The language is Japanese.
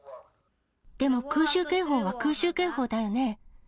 でも空襲警報は空襲警報だよね。